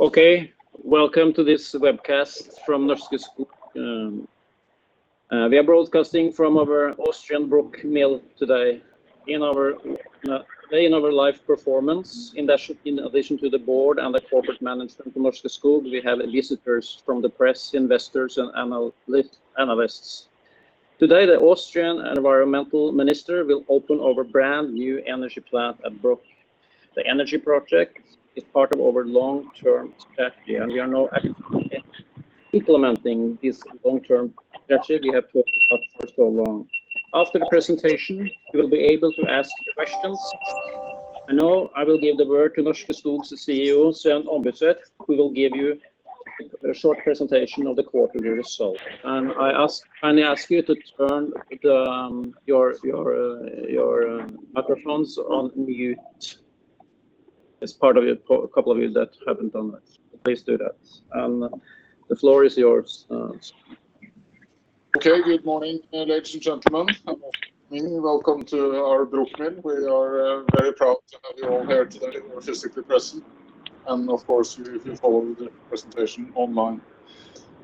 Okay, welcome to this webcast from Norske Skog. We are broadcasting from our Austrian Bruck mill today in our live performance. In addition to the board and the corporate management from Norske Skog, we have visitors from the press, investors and analysts. Today, the Austrian environmental minister will open our brand new energy plant at Bruck. The energy project is part of our long-term strategy, and we are now actively implementing this long-term strategy we have talked about for so long. After the presentation, you will be able to ask questions. Now I will give the word to Norske Skog's CEO, Sven Ombudstvedt, who will give you a short presentation of the quarterly results. I kindly ask you to turn your microphones on mute, as part of it, a couple of you that haven't done that. Please do that, and the floor is yours, Søren. Okay, good morning, ladies and gentlemen. Welcome to our Bruck mill. We are very proud to have you all here today who are physically present, and of course you if you follow the presentation online.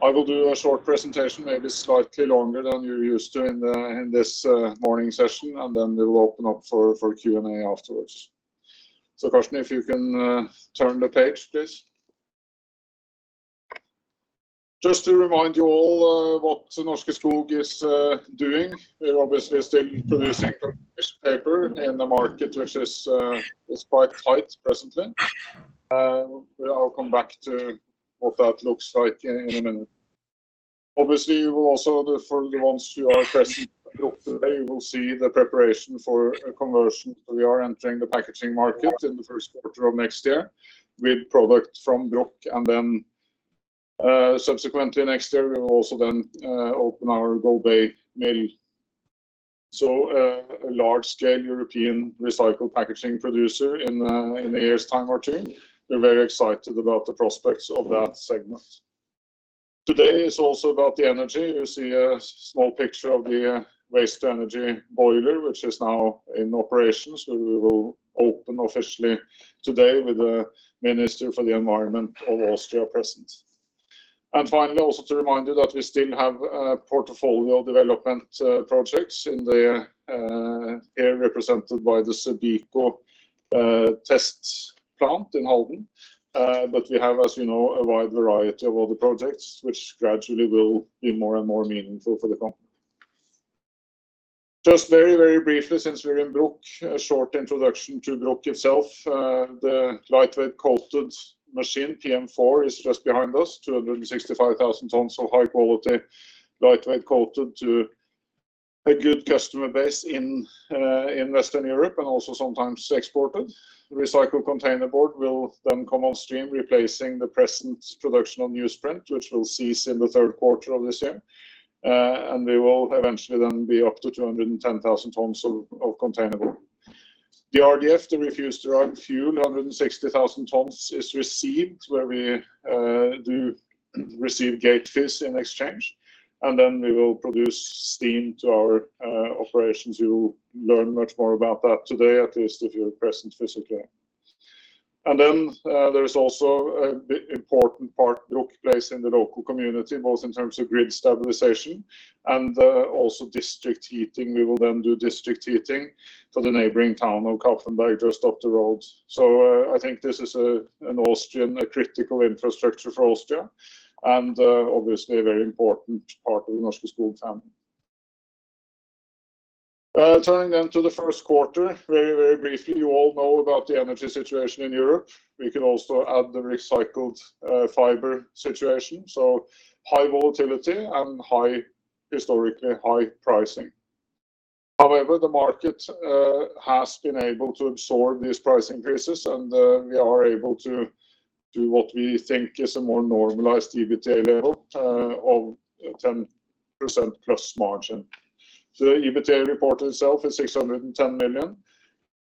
I will do a short presentation, maybe slightly longer than you're used to in this morning session, and then we will open up for Q&A afterwards. Carsten, if you can turn the page, please. Just to remind you all what Norske Skog is doing. We are obviously still producing paper in the market, which is quite tight presently. I'll come back to what that looks like in a minute. Obviously, we will also for the ones who are present at Bruck today, you will see the preparation for a conversion, as we are entering the packaging market in the Q1 of next year with product from Bruck. Then, subsequently next year, we will also then open our Golbey mill. A large scale European recycled packaging producer in a year's time or two. We're very excited about the prospects of that segment. Today is also about the energy. You see a small picture of the waste-to-energy boiler, which is now in operation. We will open officially today with the Minister for the Environment of Austria present. Finally, also to remind you that we still have portfolio development projects in the area represented by the CEBICO test plant in Halden. We have, as you know, a wide variety of other projects which gradually will be more and more meaningful for the company. Just very, very briefly, since we're in Bruck, a short introduction to Bruck itself. The lightweight coated machine, PM4, is just behind us. 265,000 tons of high quality lightweight coated to a good customer base in Western Europe, and also sometimes exported. Recycled containerboard will then come on stream, replacing the present production of newsprint, which will cease in the Q3 of this year. We will eventually then be up to 210,000 tons of containerboard. The RDF, the refuse-derived fuel, 160,000 tons, is received where we do receive gate fees in exchange, and then we will produce steam to our operations. You will learn much more about that today, at least if you're present physically. There is also a big important part Bruck plays in the local community, both in terms of grid stabilization and district heating. We will then do district heating for the neighboring town of Kapfenberg, just up the road. I think this is an Austrian critical infrastructure for Austria and obviously a very important part of the Norske Skog family. Turning to the Q1, very, very briefly, you all know about the energy situation in Europe. We can also add the recycled fiber situation, so high volatility and high, historically high pricing. However, the market has been able to absorb these price increases, and we are able to do what we think is a more normalized EBITDA level of 10%+ margin. The EBITDA report itself is 610 million.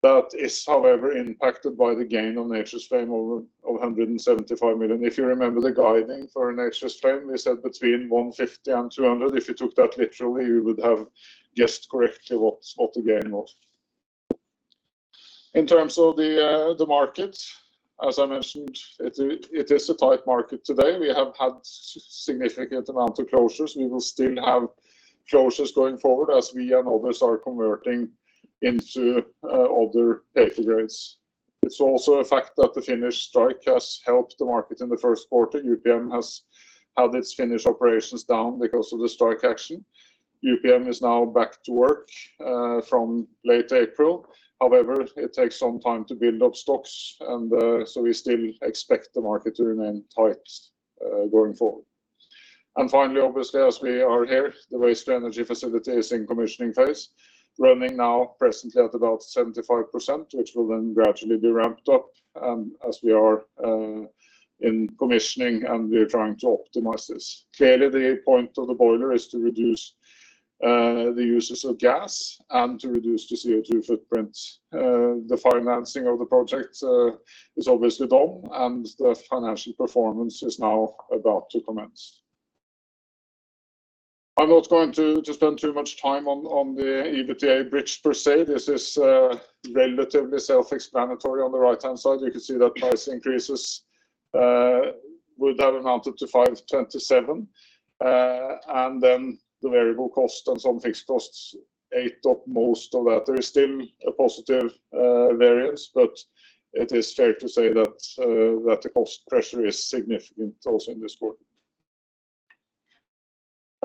That is, however, impacted by the gain on the Albury site of 175 million. If you remember the guidance for the Albury site, we said between 150 and 200. If you took that literally, you would have guessed correctly what the gain was. In terms of the market, as I mentioned, it is a tight market today. We have had significant amount of closures. We will still have closures going forward as we and others are converting into other paper grades. It's also a fact that the Finnish strike has helped the market in the Q1. UPM has had its Finnish operations down because of the strike action. UPM is now back to work from late April. However, it takes some time to build up stocks, so we still expect the market to remain tight going forward. Finally, obviously, as we are here, the waste-to-energy facility is in commissioning phase. Running now presently at about 75%, which will then gradually be ramped up as we are in commissioning and we are trying to optimize this. Clearly, the point of the boiler is to reduce the usage of gas and to reduce the CO2 footprint. The financing of the project is obviously done, and the financial performance is now about to commence. I'm not going to spend too much time on the EBITDA bridge per se. This is relatively self-explanatory. On the right-hand side, you can see that price increases would have amounted to 527, and then the variable cost and some fixed costs ate up most of that. There is still a positive variance, but it is fair to say that the cost pressure is significant also in this quarter.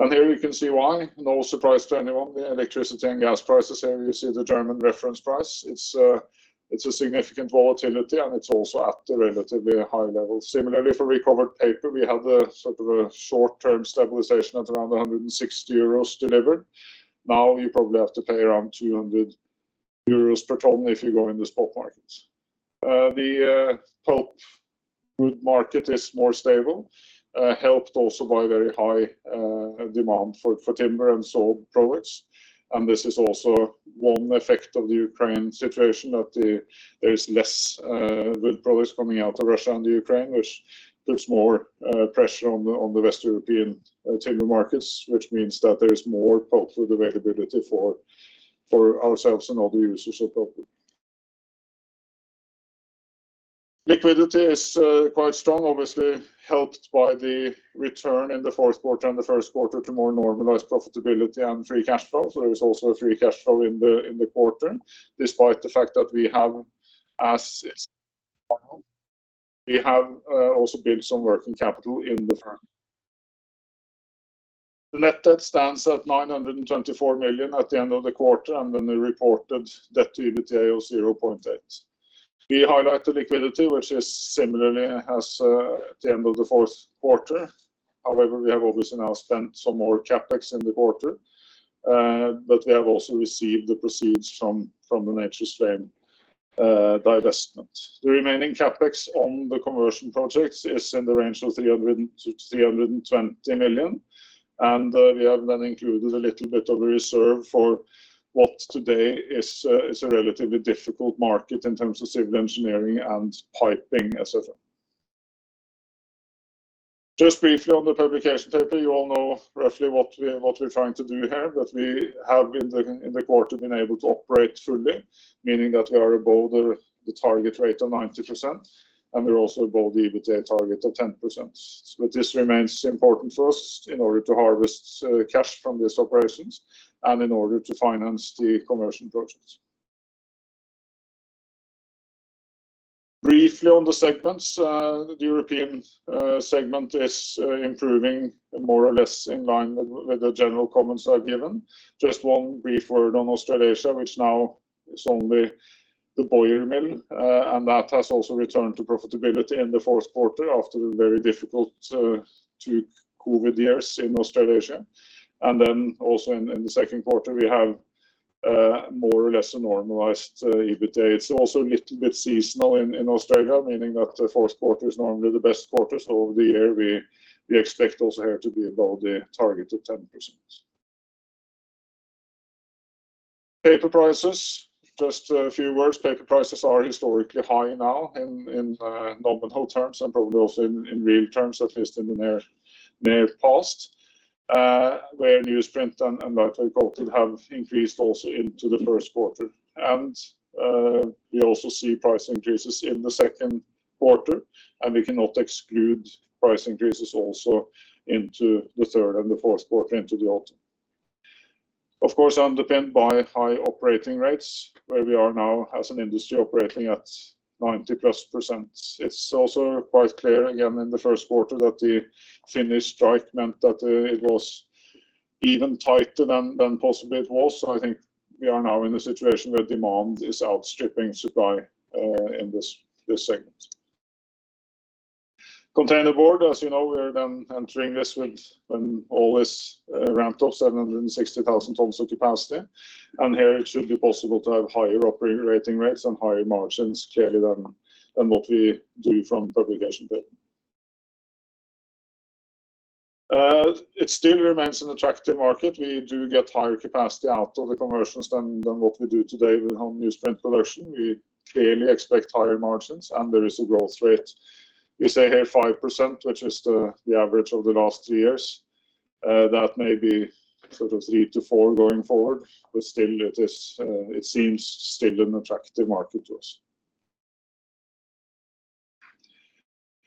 Here you can see why. No surprise to anyone. The electricity and gas prices here, you see the German reference price. It's a significant volatility, and it's also at a relatively high level. Similarly, for recovered paper, we have sort of a short-term stabilization at around 160 euros delivered. Now, you probably have to pay around 200 euros per ton if you go in the spot markets. The pulpwood market is more stable, helped also by very high demand for timber and saw products. This is also one effect of the Ukraine situation, that there is less wood products coming out of Russia and Ukraine, which there is more pressure on the West European timber markets, which means that there is more pulpwood availability for ourselves and other users of pulpwood. Liquidity is quite strong, obviously helped by the return in the Q4 and the Q1 to more normalized profitability and free cash flow. There is also a free cash flow in the quarter, despite the fact that we have also built some working capital in the firm. Net debt stands at 924 million at the end of the quarter, and then the reported debt-to-EBITDA of 0.8. We highlight the liquidity, which is similarly as at the end of the Q4. However, we have obviously now spent some more CapEx in the quarter, but we have also received the proceeds from the Nature's Flame divestment. The remaining CapEx on the conversion projects is in the range of 300 million-320 million, and we have then included a little bit of a reserve for what today is a relatively difficult market in terms of civil engineering and piping as such. Just briefly on the publication paper, you all know roughly what we're trying to do here, but we have in the quarter been able to operate fully, meaning that we are above the target rate of 90%, and we're also above the EBITDA target of 10%. This remains important for us in order to harvest cash from these operations and in order to finance the conversion projects. Briefly on the segments, the European segment is improving more or less in line with the general comments I've given. Just one brief word on Australasia, which now is only the Boyer mill, and that has also returned to profitability in the Q4 after a very difficult two COVID years in Australasia. Then also in the Q2, we have more or less a normalized EBITDA. It's also a little bit seasonal in Australia, meaning that the Q4 is normally the best quarter. Over the year, we expect also here to be above the target of 10%. Paper prices, just a few words. Paper prices are historically high now in nominal terms and probably also in real terms, at least in the near past, where newsprint and Lightweight Coated have increased also into the Q1. We also see price increases in the Q2, and we cannot exclude price increases also into the third and the Q4 into the autumn. Of course, underpinned by high operating rates, where we are now as an industry operating at 90+%. It's also quite clear again in the Q1 that the Finnish strike meant that it was even tighter than possibly it was. I think we are now in a situation where demand is outstripping supply in this segment. Containerboard, as you know, we're then entering this with ramped up 760,000 tons of capacity. Here it should be possible to have higher operating rates and higher margins clearly than what we do from publication paper. It still remains an attractive market. We do get higher capacity out of the conversions than what we do today with our newsprint production. We clearly expect higher margins, and there is a growth rate. We say here 5%, which is the average of the last two years. That may be sort of 3-4 going forward, but still it is, it seems still an attractive market to us.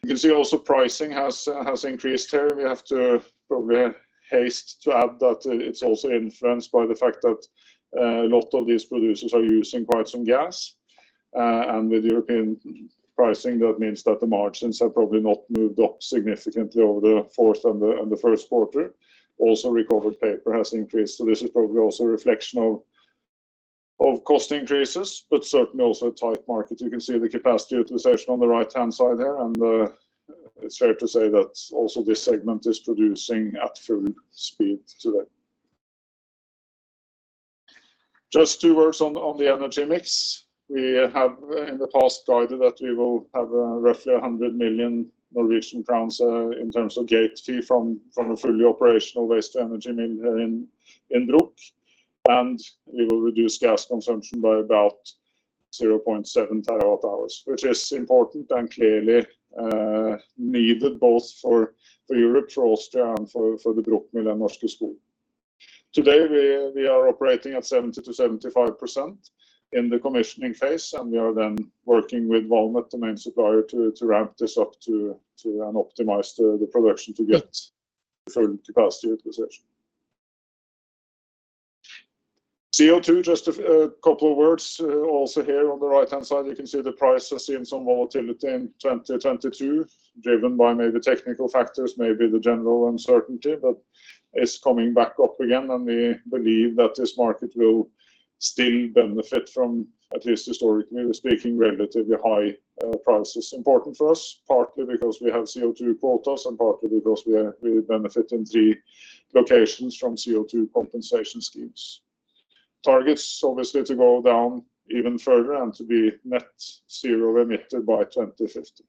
You can see also pricing has increased here. We have to probably hasten to add that it's also influenced by the fact that a lot of these producers are using quite some gas, and with European pricing, that means that the margins have probably not moved up significantly over the fourth and the Q1. Also, recovered paper has increased, so this is probably also a reflection of cost increases, but certainly also a tight market. You can see the capacity utilization on the right-hand side there, and it's fair to say that also this segment is producing at full speed today. Just two words on the energy mix. We have in the past guided that we will have roughly 100 million Norwegian crowns in terms of gate fee from a fully operational waste-to-energy mill in Bruck. We will reduce gas consumption by about 0.7 terawatt-hours, which is important and clearly needed both for Europe, for Austria, and for the group mill in Norske Skog. Today, we are operating at 70%-75% in the commissioning phase, and we are then working with Valmet, the main supplier, to ramp this up to an optimized production to get full capacity utilization. CO2, just a couple of words. Also here on the right-hand side, you can see the price has seen some volatility in 2022, driven by maybe technical factors, maybe the general uncertainty. It's coming back up again, and we believe that this market will still benefit from, at least historically speaking, relatively high prices. Important for us, partly because we have CO₂ quotas, and partly because we benefit in three locations from CO₂ compensation schemes. Targets, obviously, to go down even further and to be net zero emitter by 2050.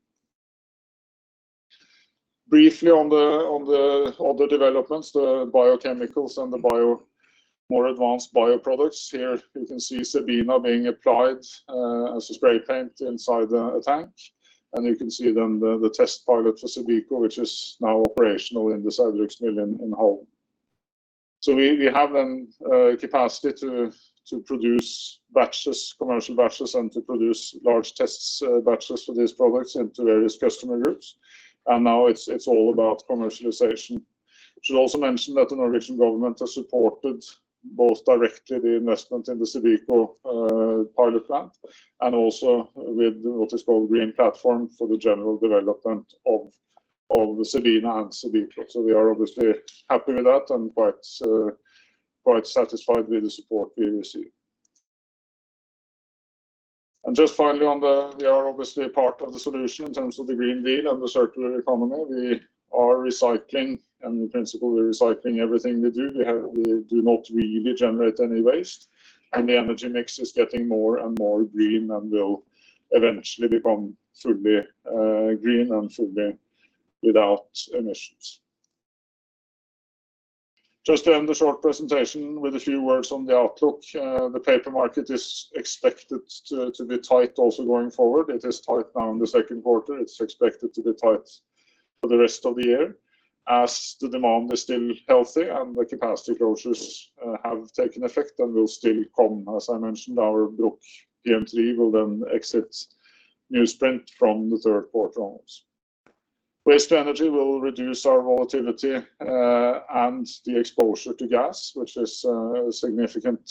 Briefly on the developments, the biochemicals and more advanced bioproducts. Here you can see CEBINA being applied as a spray coating inside a tank, and you can see then the test pilot for CEBICO, which is now operational in the Saugbrugs mill in Halden. We have then capacity to produce batches, commercial batches, and to produce large test batches for these products into various customer groups, and now it's all about commercialization. Should also mention that the Norwegian government has supported both directly the investment in the CEBICO pilot plant, and also with what is called Green Platform for the general development of the CEBINA and CEBICO. We are obviously happy with that and quite satisfied with the support we receive. Just finally, we are obviously a part of the solution in terms of the Green Deal and the circular economy. We are recycling, and in principle, we're recycling everything we do. We do not really generate any waste, and the energy mix is getting more and more green and will eventually become fully green and fully without emissions. Just to end the short presentation with a few words on the outlook. The paper market is expected to be tight also going forward. It is tight now in the Q2. It's expected to be tight for the rest of the year as the demand is still healthy and the capacity closures have taken effect and will still come. As I mentioned, our Bruck PM3 will then exit newsprint from the Q3 onwards. Waste-to-energy will reduce our volatility and the exposure to gas, which is a significant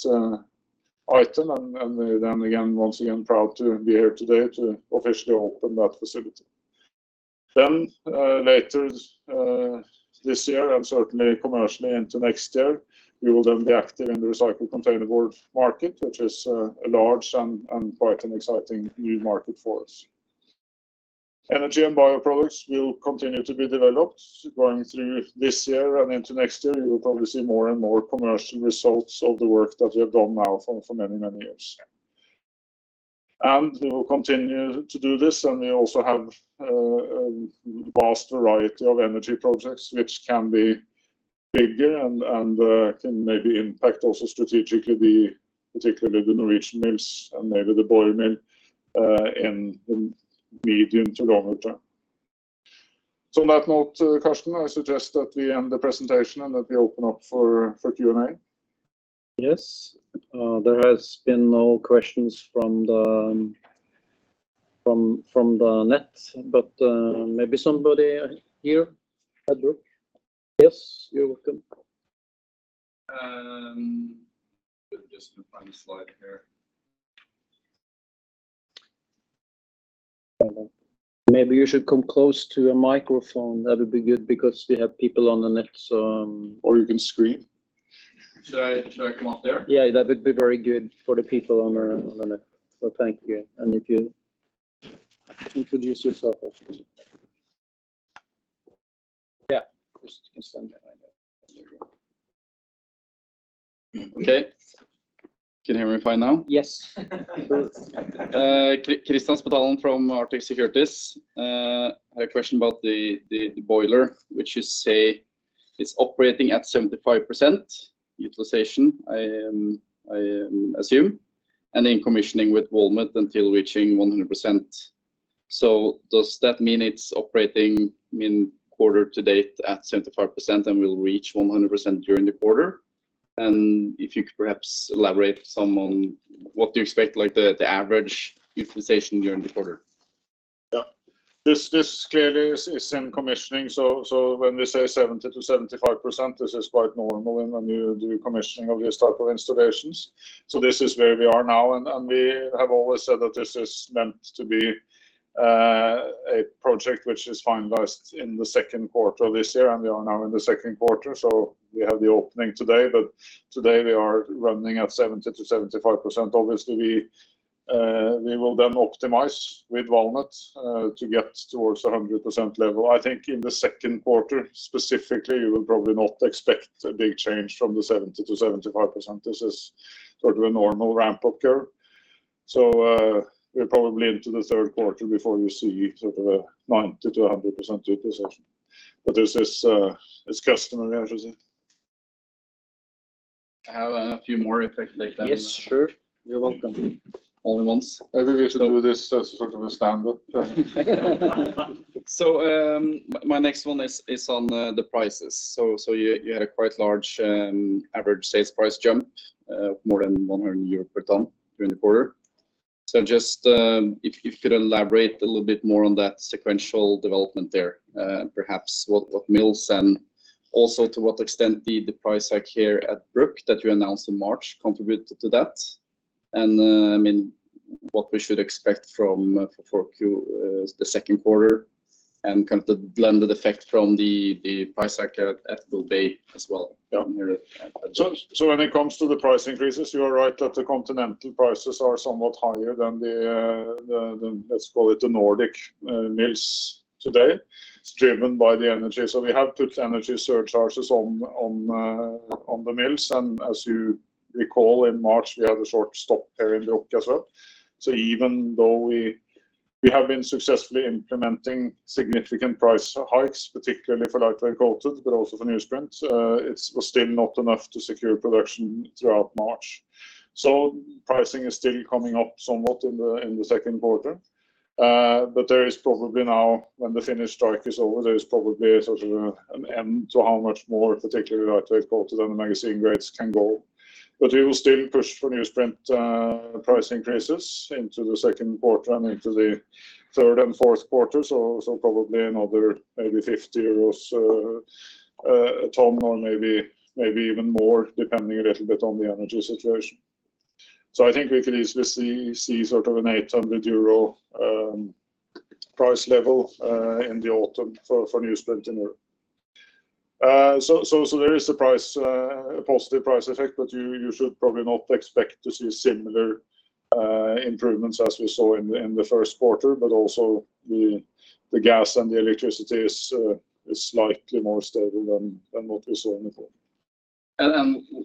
item. Then again, once again, proud to be here today to officially open that facility. Later this year, and certainly commercially into next year, we will then be active in the recycled containerboard market, which is a large and quite an exciting new market for us. Energy and bioproducts will continue to be developed going through this year and into next year. You will probably see more and more commercial results of the work that we have done now for many years. We will continue to do this, and we also have a vast variety of energy projects which can be bigger and can maybe impact also strategically, particularly the Norwegian mills and maybe the Boyer mill in the medium to longer term. On that note, Carsten, I suggest that we end the presentation and that we open up for Q&A. Yes. There has been no questions from the net, but maybe somebody here at Bruck? Yes, you're welcome. Just gonna find the slide here. Maybe you should come close to a microphone. That would be good because we have people on the net. You can scream. Should I come up there? Yeah, that would be very good for the people on the. Thank you. If you introduce yourself also. Yeah. You can stand behind there. Okay. Can you hear me fine now? Yes. Christian Bastalen from Arctic Securities. I have a question about the boiler, which you say is operating at 75% utilization, I assume, and then commissioning with Valmet until reaching 100%. Does that mean it's operating in quarter to date at 75% and will reach 100% during the quarter? If you could perhaps elaborate some on what you expect, like the average utilization during the quarter. Yeah. This clearly is in commissioning. When we say 70%-75%, this is quite normal in the commissioning of this type of installations. This is where we are now, and we have always said that this is meant to be a project which is finalized in the Q2 of this year, and we are now in the Q2. We have the opening today, but today we are running at 70%-75%. Obviously, we will then optimize with Valmet to get towards a 100% level. I think in the Q2 specifically, you will probably not expect a big change from the 70%-75%. This is sort of a normal ramp up curve. We're probably into the Q3 before you see sort of a 90%-100% utilization. This is, it's customary, I should say. I have a few more if I can take them. Yes, sure. You're welcome. All at once. Maybe we should do this as sort of a stand-up. My next one is on the prices. You had a quite large average sales price jump more than 100 euro per ton during the quarter. Just if you could elaborate a little bit more on that sequential development there, perhaps what mills and also to what extent did the price hike here at Bruck that you announced in March contribute to that? I mean, what we should expect from the Q2 and kind of the blended effect from the price hike at Golbey as well. Yeah. When it comes to the price increases, you are right that the continental prices are somewhat higher than the, let's call it the Nordic mills today. It's driven by the energy. We have put energy surcharges on the mills. As you recall, in March, we had a short stop there in Bruck as well. Even though we have been successfully implementing significant price hikes, particularly for Lightweight Coated, but also for newsprint, it's still not enough to secure production throughout March. Pricing is still coming up somewhat in the Q2. But there is probably now, when the Finnish strike is over, there is probably a sort of an end to how much more, particularly Lightweight Coated and the magazine grades can go. We will still push for newsprint price increases into the Q2 and into the third and Q4. Probably another maybe 50 euros a ton or maybe even more, depending a little bit on the energy situation. I think we could easily see sort of an 800 euro price level in the autumn for newsprint in Europe. There is a positive price effect, but you should probably not expect to see similar improvements as we saw in the Q1. Also the gas and the electricity is slightly more stable than what we saw in the fall.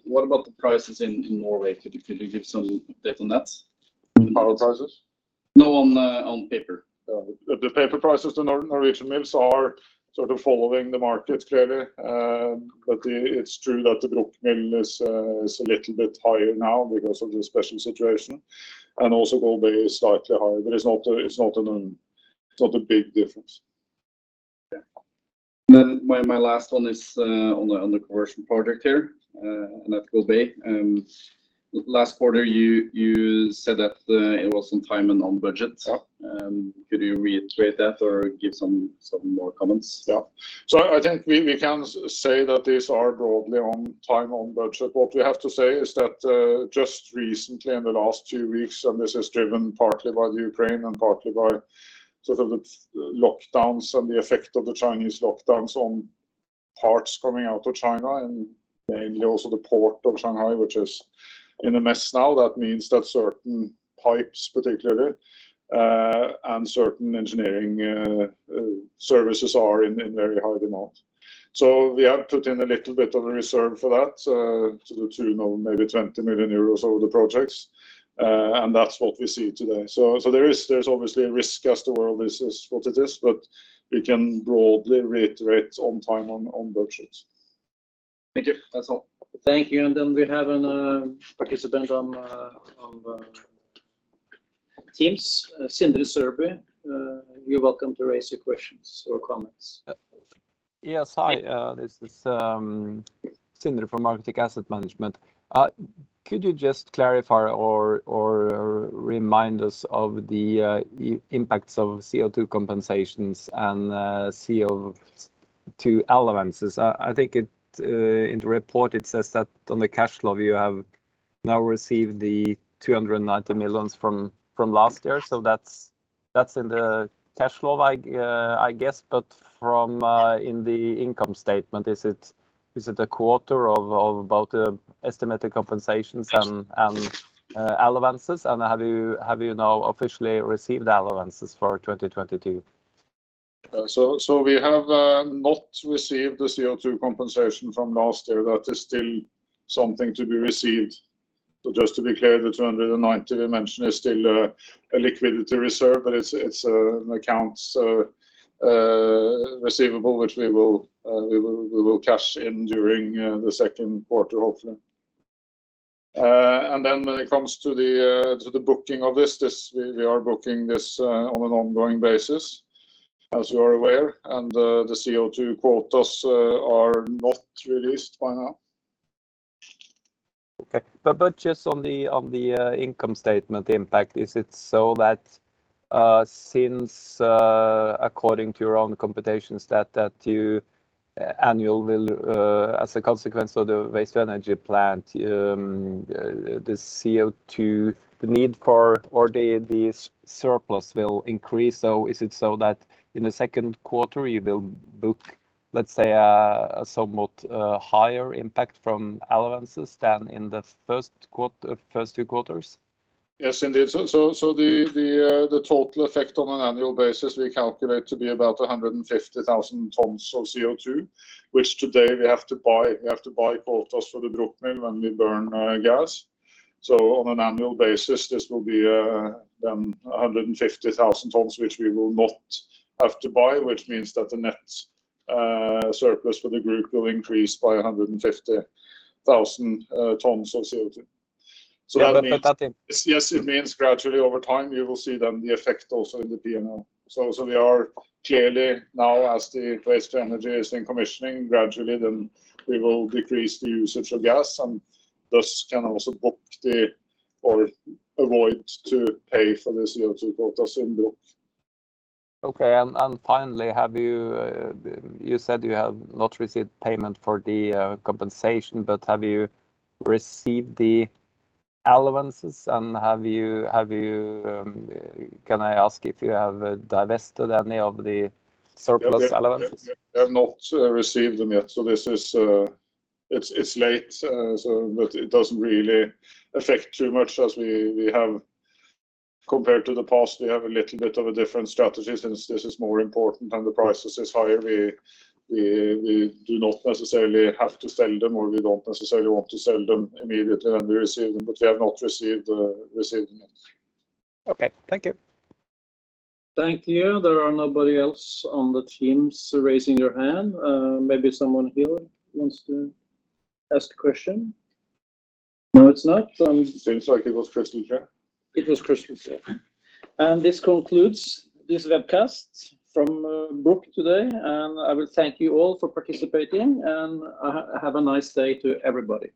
What about the prices in Norway? Could you give some data on that? Power prices? No, on paper. The paper prices to Norwegian mills are sort of following the market clearly. It's true that the Bruck mill is a little bit higher now because of the special situation, and also Golbey is slightly higher, but it's not a big difference. Yeah. My last one is on the conversion project here at Golbey. Last quarter you said that it was on time and on budget. Yeah. Could you reiterate that or give some more comments? Yeah. I think we can say that these are broadly on time, on budget. What we have to say is that just recently in the last two weeks, and this is driven partly by the Ukraine and partly by sort of the lockdowns and the effect of the Chinese lockdowns on parts coming out of China, and mainly also the port of Shanghai, which is in a mess now. That means that certain pipes particularly and certain engineering services are in very high demand. We have put in a little bit of a reserve for that to the tune of maybe 20 million euros over the projects, and that's what we see today. There is, there's obviously a risk as the world is what it is, but we can broadly reiterate on time, on budget. Thank you. That's all. Thank you. We have a participant on Teams, Sindre Sørbye. You're welcome to raise your questions or comments. Yes. Hi. This is Sindre from Arctic Asset Management. Could you just clarify or remind us of the impacts of CO₂ compensations and CO₂ allowances? I think in the report it says that on the cash flow you have now received 290 million from last year. So that's in the cash flow, I guess. In the income statement, is it a quarter of about the estimated compensations and allowances? And have you now officially received allowances for 2022? We have not received the CO₂ compensation from last year. That is still something to be received. Just to be clear, the 290 we mentioned is still a liquidity reserve, but it's an accounts receivable, which we will cash in during the Q2, hopefully. When it comes to the booking of this, we are booking this on an ongoing basis, as you are aware. The CO₂ quotas are not released by now. Okay. Just on the income statement impact, is it so that since according to your own computations that you annually will as a consequence of the waste-to-energy plant the CO₂, the need for or the surplus will increase? Is it so that in the Q2 you will book, let's say, a somewhat higher impact from allowances than in the first two quarters? Yes, indeed. The total effect on an annual basis we calculate to be about 150,000 tons of CO₂, which today we have to buy. We have to buy quotas for the Bruck mill when we burn gas. On an annual basis, this will be 150,000 tons, which we will not have to buy, which means that the net surplus for the group will increase by 150,000 tons of CO₂. That means. Yeah, that in- Yes, it means gradually over time we will see then the effect also in the P&L. We are clearly now as the waste-to-energy is in commissioning gradually, then we will decrease the usage of gas and thus can also book or avoid to pay for the CO₂ quotas in Bruck. Okay. Finally, you said you have not received payment for the compensation, but have you received the allowances and can I ask if you have divested any of the surplus allowances? We have not received them yet, so it's late, but it doesn't really affect too much as we have compared to the past, we have a little bit of a different strategy since this is more important and the prices is higher. We do not necessarily have to sell them or we don't necessarily want to sell them immediately when we receive them, but we have not received them yet. Okay. Thank you. Thank you. There are nobody else on the Teams raising your hand. Maybe someone here wants to ask a question? No, it's not. Seems like it was Christian, yeah. It was Christian, yeah. This concludes this webcast from Bruck today. I will thank you all for participating, and have a nice day to everybody.